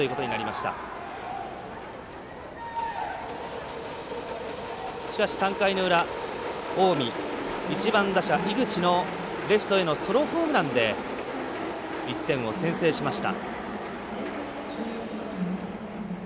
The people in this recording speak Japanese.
しかし、３回の裏、近江１番打者井口のレフトへのソロホームランで１点を先制しました。